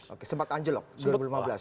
oke sempat anjlok di dua ribu lima belas ya